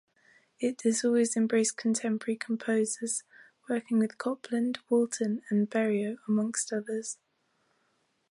It has always embraced contemporary composers, working with Copland, Walton and Berio amongst others.